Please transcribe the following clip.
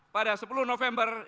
pada sepuluh november